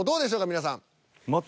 皆さん。